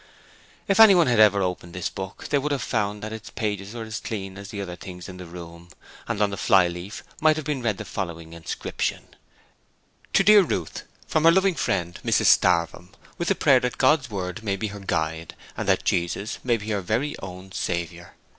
If anyone had ever opened this book they would have found that its pages were as clean as the other things in the room, and on the flyleaf might have been read the following inscription: 'To dear Ruth, from her loving friend Mrs Starvem with the prayer that God's word may be her guide and that Jesus may be her very own Saviour.